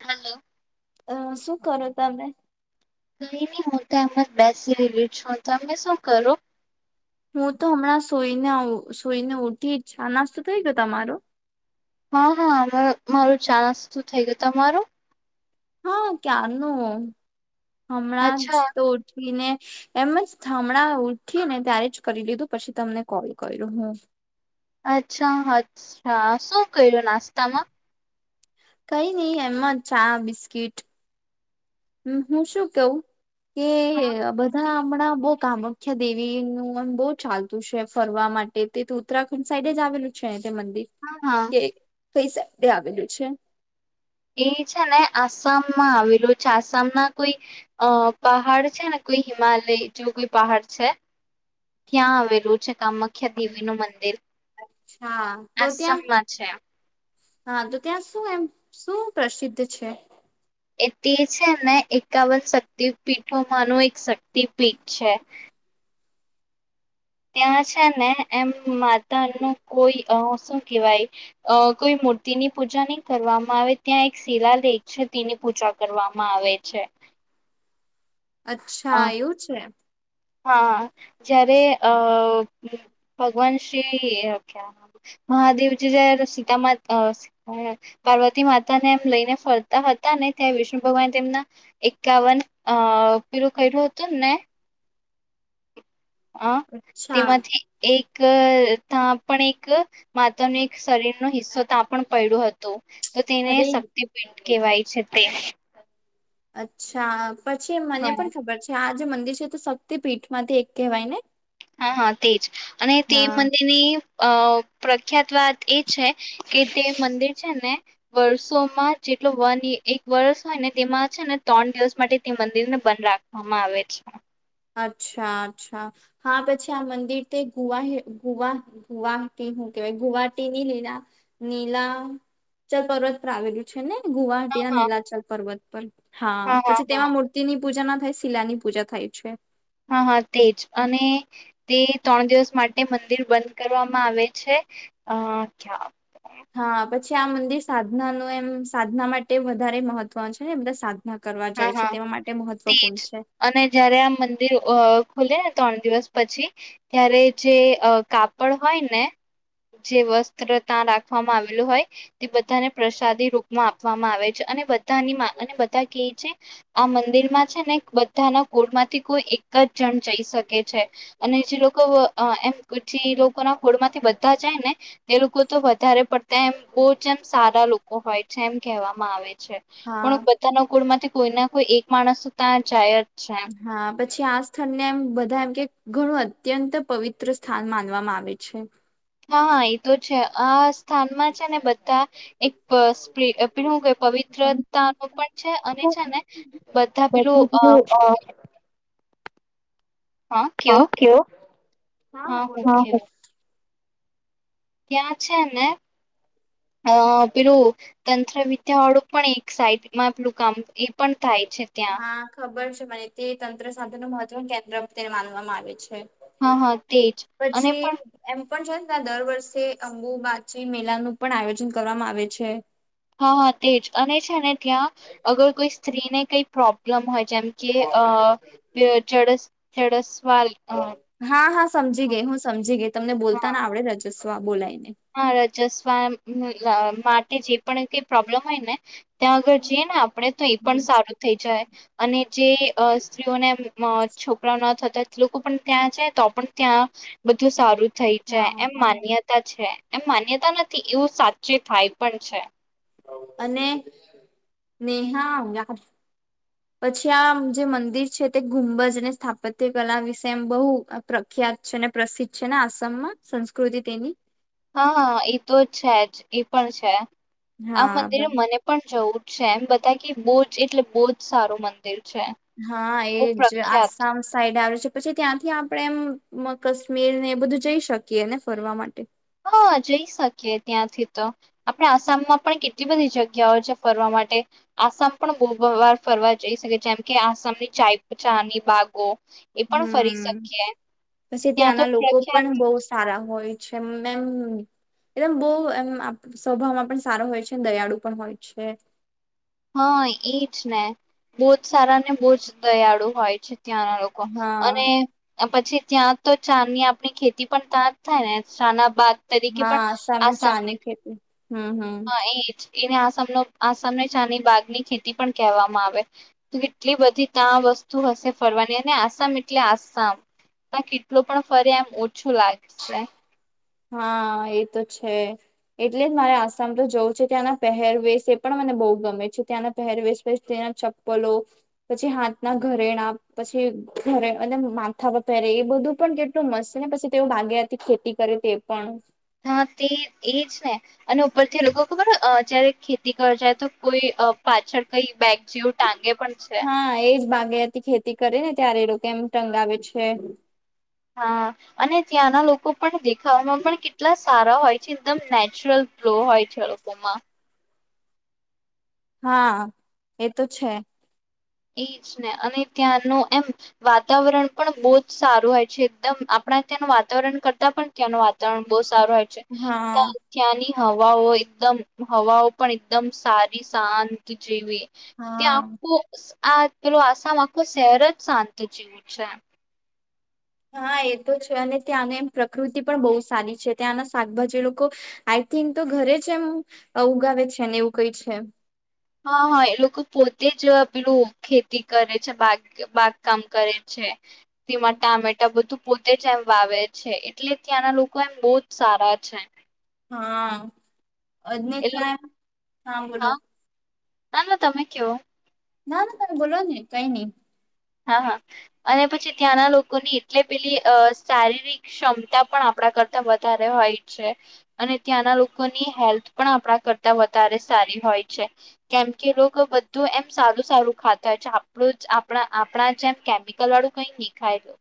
હાલો અ, શું કરો તમે? કઈ નહી, હું તો એમને જ બેસી રહીલી છું, તમે શું કરો? હું, તો હમણાં સુઈને, સૂઈને ઉઠી, જ ચા નાસ્તો થઈ, ગયો તમારો? હા, હા મારું ચા નાસ્તો થઈ, ગયો તમારો? હા, ક્યાનો હમણાં જ અચ્છા તો ઉઠવીને એમ જ હમણા ઉઠી ને ત્યારે જ કરી લીધું પછી, તમને કોલ કયોં હું. અચ્છા, અચ્છા શું કર્યું? નાસ્તામા. કઈ, નઈ એમમાં ચા બિસ્કીિટ હું, શું કવું કે બધા હમણાં, બહુ કામખ્યા દેવી નુંમ બહુ ચાલતું છે, ફરવા માટે તે ઉત્તરાખંડ સાઈડે જ આવેલું છે, મંદિર હા હા કે કઈ સાઈડે આવેલું છે. એ છેને, આસામમાં આવેલું છે, આસામ ના કોઈ અ પહાડ છેને. કોઈ હિમાલય, જો કોઈ પહાડ છે, ત્યાં આવેલું છે. કમાખ્યા દેવી, નું મંદિર હા તો ત્યાં આસમમાં છે. હા, તો ત્યાં શું એમ શું પ્રસિદ્ધ છે. એ તે છેને, એકાવન શક્તિ પીઠોમાં નુ એક શક્તિપીઠ છે. ત્યાં છેને, એમ માતાનુ કોઈ શું કેહેવાય કોઈ મૂર્તિની પૂજા નહી, કરવામાં આવે ત્યાં એક શિલા લેખ છે, તેની પૂજા કરવામાં આવે છે. [inaudible] અ અચ્છા, એવું છે હા, જયારે, અ ભગવાન શ્રી મહાદેવજી [unintelligible] સીતામાં પાર્વતી માતા ને એમ લઈને ફરતા હતા ને ત્યાં વિષ્ણુ ભગવાન તેમના એકાવન અ પેલું કર્યું હતુ ને હ, અચ્છા તેમાંથી, એક અ તા પણ એક માતાનુ એક શરીરનો હિસ્સો ત્યાં પણ પડ્યો હતો તો તેને અરે શક્તિપીઠ કહેવાય છે તે અચ્છા પછી મને પણ હા ખબર છે, આ જે મંદિર તે તો શક્તિપીઠ માંથી એક કહેવાય ને હા, હા, તેજ અને તે હા મંદિરની અ પ્રખ્યાત વાત એ છે કે તે મંદિર છે ને વર્ષોમાં જે એ વન, એક વર્ષ હોય ને તેમાં છે ને ત્રણ દિવસ માટે તે મંદિરને બંધ રાખવામાં આવે છે અચ્છા, અચ્છા, હા, પછી આ મંદિર તે ગુવા, ગુવા, ગુવાટી કેવાય ગુવાહાટી ની નીલા નીલાચલ પર્વત પર આવેલું છે ને હા ગુવાહાટી ના હા નીલાચલ પર્વત પર હા પછી તેમાં મૂર્તિની પૂજામાં ખાલી શિલાની પૂજા થાય છે હા હા તેજ અને તે ત્રણ દિવસ માટે મંદિર બંધ કરવામાં આવે છે અચ્છા હા પછી આ મંદિર સાધના નું એમ સાધના માટે વધારે મહત્વ છે ને બધા સાધ હા હા તેજ છે અને જયારે આ મંદિર અ ખોલે ને ત્રણ દિવસ પછી ત્યારે જે કાપડ હોય ને જે વસ્ત્ર તા રાખવામાં આવેલું હોય તે બધાને પ્રસાદી રૂપમાં આપવામાં આવે છે અ અને બધાની અને બધા કે છે આ મંદિર માં છે ને બધાના કુળમાંથી કોઈ એક જ જણ જઈ શકે છે અને જે લોકો એમ [unintelligible] લોકો ના કુળ માથી બધા જાય ને એ લોકો તો વધારે પડતા એમ બો જમ સારા લોકો હોય છે છે એમ હેવામાં આવે છે હા પણ બધા ના કુળમાંથી કોઈ ના કોઈ એક માણસ તા જાયજ હા બ પછી આ સ્થળને એમ બધામ કે ઘણું અત્યંત પવિત્ર સ્થાન માનવામાં આવે છે હા હા એ તો છે આ સ્થાનમાં છે ને બધા એક [inaudible] પેલુ શું કેય પવિત્રતા નું પણ છે અને છે ને બધા પેલું અ હા [unintelligible] હા બોલો ત્યા છે ને અ પેલું તંત્ર વિદ્યા વાળું પણ એક સાઈડમાં પેલું કામ એ પણ થાય છે ત્યાં હા ખબર તે તંત્ર સાધન નુ મહત્વ કેન્દ્ર તેને માનવામાં આવે છે હા હા તેજ અને પછી પણ એમ પન જો ને દર વર્ષે અંગુબાચી મેલા નું પણ આયોજન કરવામાં આવે છે હા હા તેજ અને છે ને ત્યાં અગર કોઈ સ્ત્રીને કઈ પ્રોબ્લેમ હોય જેમ કે અ જડસ જડસ વા અ હા હા સમજી ગઈ હું, સમજી ગઈ તમને હા બોલતા ને આવડે રજસ્વા બોલાય હા, રજસ્વામ માટે જે પણ કઈ પ્રોબ્લેમ હોય ને ત્યાં આગળ જઈએ જિયે ને આપણેે તો એ પણ સારું થઈ જાય અને જે સ્ત્રીઓને એમ અ છોકરાઓ ના થતા લોકો પણ ત્યાં જાય તો પણ ત્યાં બધું સારું થઈ જાય હા એમ હા માન્યતા છે એમ, માન્યતા નથી એવું સાચે થાય પણ છે અને, નેહા આવું ના કર પછી આમ જે મંદિર છે તે ગુંડજને સ્થાપત્ય કલા વિશે એમ બોઉ પ્રખ્ય પ્રખ્યાત છે ને પ્રસિદ્ધ છે ને આસામમાં સંસ્કૃતિ તેની હા એ તો છે જ એ પણ છે આ હા મંદિરે બરાબર મને પણ જવું છે એમ બધા કે બોજ એટલે બોજ સારું મંદિર છે હા, બહુ એજ પ્રખ્યાત આસામ સાઈડ આવે છે પછી ત્યાંથી આપડે એમ કાશ્મીરને એ બધું જઈ શકીએ ને ફરવા માટે. હા, જઈ શકીએ ત્યાંથી તો આપડે આસામમાં પણ કેટલી બધી જગ્યાઓ છે ફરવા માટે. આસામ પણ બો-બો વાર ફરવા જઈ શકે જેમ કે આસામની ચાય ચાની બાગો એ પણ ફરી હમ્મ. શકીએ પછી ત્યાં તો ત્યાંના લોકો પ્રખ્યાત પણ બહુ સારા હો હોય છે એમનેમ એટલે બોવ એમ સ્વભાવમાં પણ સારા હોય છે, ને દયાળુ પણ હોય છે. હા એજ ને બહુ જ સારા ને બહુ જ દયાળુ હોય છે ત્યાંના લોકો. અને હા પછી ત્યાં તો ચા ની આપણી ખેતી પણ ત્યાં જ થાય ને, ચા ના બાગ તરીકે પણ હા આસામે આસામ ચાની ખેતી હમ હમ [unintelligible] હા ઈ જ. એને આસામનો [unintelligible] ચાની બાગ ની ખેતી પણ કહેવામાં આવે, તો કેટલી બધી તા વસ્તુ હશે ફરવાની. અને આ સામ એટલે આસામ. તા કેટલો પણ ફરી એમ ઓછું લાગશે. હા એ તો છે. એટલે જ મારે આસામ તો જવું છે, ત્યાંના પહેરવેશ એ પણ મને બહું ગમે છે. ત્યાંના પહેરવેશ [unintelligible] ના ચપ્પલો, પછી હાથના ઘરેણા, પછી ઘરે અને માથામાં પહેરે એ બધું પણ કેટલું મસ છે ને પછી તેઓ બાગાયતી ખેતી કરે તે પણ. હા તે એ જ ને. અને ઉપરથી લોકો ખબર અહ જ્યારે ખેતી કર જાય તો કોઈ અહ પાછળ કંઈ બેગ જેવું ટાંગે પણ છે હા એજ. બાગાયતી ખેતી કરે ને ત્યારે એ લોકો એમ ટંગાવે છે. હા. અને ત્યાંના લોકો પણ દેખાવામાં પણ કેટલા સારા હોય છે એકદમ નેચરલ ગ્લો હોય છે એ લોકોમાં. હા એ તો છે. ઈ જ ને. અને ત્યાંનું એમ વાતાવરણ પણ બહુ જ સારું હોય છે એકદમ આમ આપણા ત્યાંનું વાતાવરણ કરતા પણ ત્યાંનું વાતાવરણ બહુ સારું હોય છે. હા ત્યાં ત્યાંની હવાઓ એકદમ હવાઓ પણ એકદમ સારી શાંત જેવી હા ત્યાં [unintelligible] આ પેલું આસામ આખું શહેર જ શાંત જેવું છે. હા એ તો છે. અને ત્યાંને એમ પ્રકૃતિ પણ બહુ સારી છે, ત્યાંના શાકભાજી લોકો [unintelligible] તો ઘરે જ એમ ઉગાવે છે ને એવું કઈ છે. હા હા એ લોકો પોતે જ પેલું ખેતી કરે છે બા. બાગકામ કરે છે તેમાં ટામેટા બધું. પોતે જ એમ વાવે છે એટલે ત્યાંના લોકો એમ બહુ જ સારા છે. હા અજને એ લોકો થયા હા બોલો. ના ના તમે કેવો. ના ના તમે બોલો નને કઈ નઈ. હા હા અને પછી ત્યાંના લોકોની એટલે પેલી અ શારીરિક ક્ષમતા પણ આપણા. વધ હોઈટ છે અને ત્યાંના લોકોની હેલ્થ પણ આપણા કરતા વધારે સારી. હોય છે કેમ કે બધું એમ સારું સારું ખાતા હોય છે આપણું જ આપણા. આપણા જેમ કેમિકલ વાળું કઈ નહીખાય તો.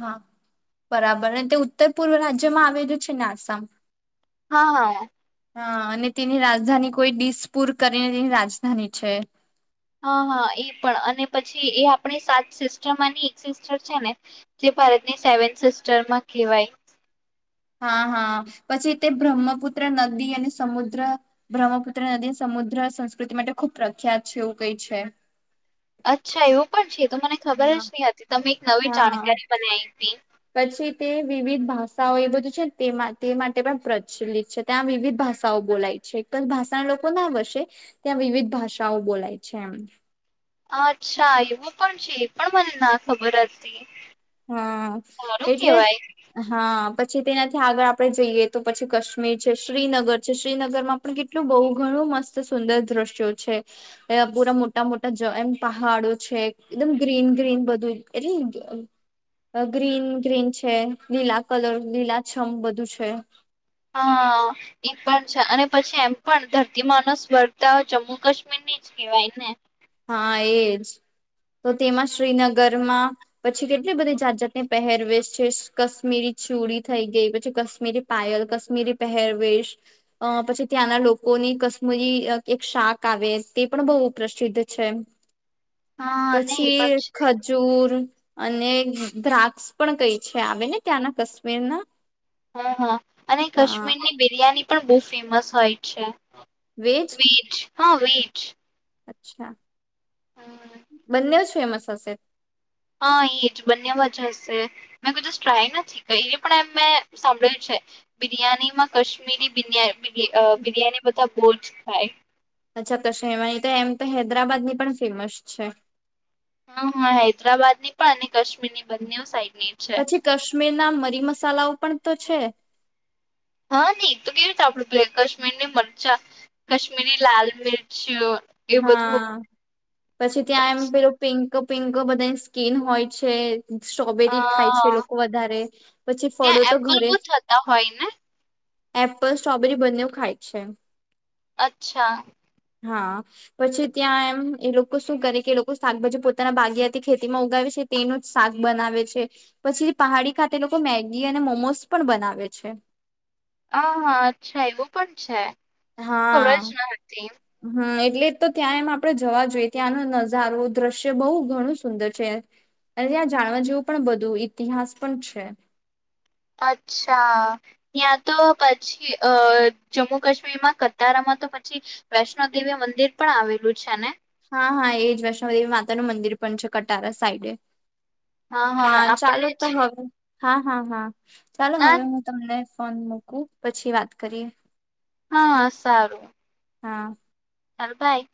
હા બરાબર અને તે ઉત્તર પૂર્વ રાજ્યમાં આવેલું છે ને આસામ. હા હા. હા અને તેની રાજધાની કોઈ દિસપુર કરીને તેની રાજધાની છે. હા હા એ પણ અને પછી એ આપણી સાત સિસ્ટર માની એક સિસ્ટર છે ને. ભારતની સેવન સિસ્ટર માં કહેવાય. હ [unintelligible] હા હા પછી તે બ્રહ્મપુત્ર નદી અને સમુદ્ર બ્રહ્મપુત્ર નદી સમ. સમુદ્ર સંસ્કૃતિ માટે ખુબ પ્રખ્યાત છે એવું કઈ છે. અચ્છા એવું પણ છે. તો મને ખબર હા જ ની હતી તમે એક નવી હા જાણકારી મને આઈ પી પછી તે વિવિધ ભાષાઓ એ બધું છે તે તે માટે પણ પ્રચલિત છે ત્યાં વિવિધ ભાષાઓ બોલાય [unintelligible] ભાષા લોકો ના વસે, ત્યાં વિવિધ ભાષાઓ બોલાય છે એમ અચ્છા એવું પણ છે એ પણ મને ના ખબર હતી હા, સારું એટલે, કેવાય હા, પછી છે તેનાથી આગળ આપડે જઈએ તો પછી કાશ્મીર છે શ્રીનગર છે, શ્રીનગર માં પણ કેટલું બહુ ઘણું મસ્ત સુંદર દ્રશ્યો છે એ પૂરા મોટા મોટા, એમ પહાડો છે એકદમ ગ ગ્રીન, ગ્રીન બધું એટલે ગ્રીન, ગ્રીન, છે, લીલા કલર, લીલા છમ બધું છે હા, એ પણ છે, અને પછી એમ પણ ધરતીમાંનો સ્વગૅ જમ્મુ કાશ્મીર ને જ કેવાયને હા, એજ તો, તેમાં શ્રીનગરમાં પછી કેટલી બધી જાત, જાતની પહેરવેશ છે કાશ્મીરી ચૂડી થઈ, ગઈ, પછી કશ્મીરી પાયલ, કશ્મીરી પહેરવેશ અ પછી ત્યાંના લોકો ની કશ્મીરી એક શાક આવે તે પણ બહુ પ્રસિદ્ધ છે હા ને એ પછી પણ એક છે ખજૂરી અને દ્રાક્ષ પણ કઈ છે આવે ને ત્યાંના કાશ્મીરના. હમ હા અને હા કાશ્મીરની બિરિયાની પણ બહુ ફેમસ હોય છે. વેજ. હા વેજ અચ્છા હમ બંને જ ફેમસ હશે. હા એજ બંનેવજ હશે મેં કોઈ દિવસ ટ્રાય નથી કહી પણ એમ મેં સાંભળ્યું છે. બિરિયાની માં કશ્મીરી બિ બિરિયાની બધા બો જ ખાય અચ્છા કાશ્મીર મા એમ તો હૈદરાબાદની પણ ફેમસ છે. હા હા હૈદરાબાદ ની પણ અને કાશ્મીર ની બંને સાઈડ. પછી કાશ્મીર ના મરી મસાલાઓ પણ તો છે. હા નઈ તો કેવી રીતે આપડું કાશ્મીરની મરચા કાશ્મીરની લાલ મિર્ચ. એ બધું હા પછી ત્યાં એમ પેલું પિંક. પિંક બધાની સ્કીન હોય છે. સ્ટ્રોબેરી ખાય છે હા લોકો વધારે પછી ફળો ત્યાં તો એપલ ઘરે. બહુ થતા હોય ને એપલ સ્ટ્રોબેરી બનેવ ખાય છે. અચ્છા. હા પછી ત્યાં એમ એ લોકો શું કરે કે એ લોકો શાકભાજી પોતાના બાગયાથી ખેતીમાં ઉગાવે છે તેનું જ. શાક બનાવે છે પછી પહાડી ખાતે લોકો મેગી અને મોમોસ પણ બનાવે છે. [inaudible] હ હા અચ્છા એવું પણ છે ખબર હા જ ન હતી. હમ એટલે તો ત્યાં એમ આપડે જવા જોઈએ ત્યાંનો નજારો દ્રશ્ય બહુ ઘણું સુંદર છે. અને ત્યાં જાણવા જેવું પણ બધું ઇતિહાસ પણ છે. અચ્છા ત્યાં તો પછી અ જમ્મુ કાશ્મીરમાં કતારા માં. તો પછી વૈષ્ણો દેવી મંદિર પણ આવેલું છે ને. હા હા એજ વૈષ્ણોદેવી માતા નું મંદિર પણ છે કટારા સાઈડે. હા, ચાલો તો હવે હા, હા, હા, ચાલો ના હવે હું તમને ફોન મૂકું પછી વાત કરીએ હા, સારું હા હાર ભાઈ